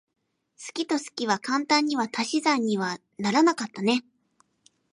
好きと好きは簡単には足し算にはならなかったね。